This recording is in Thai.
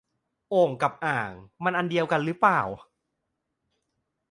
โอ่ง กับ อ่าง มันอันเดียวหันหรือเปล่า